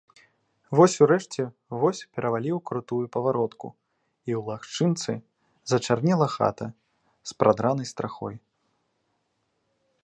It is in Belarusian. Вось урэшце воз пераваліў крутую паваротку, і ў лагчынцы зачарнела хата з прадранай страхой.